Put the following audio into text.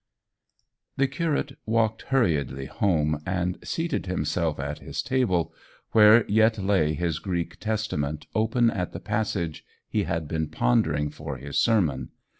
The curate walked hurriedly home, and seated himself at his table, where yet lay his Greek Testament open at the passage he had been pondering for his sermon.